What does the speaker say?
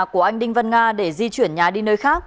của anh đinh văn nga để di chuyển nhà đi nơi khác